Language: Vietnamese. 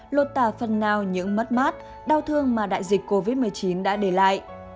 lột tà phân nao những mất mắt đau thương mà đại dịch covid một mươi chín đã để lại